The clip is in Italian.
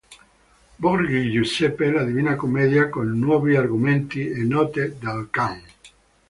Borghi Giuseppe, La Divina Commedia con nuovi argomenti e note del can.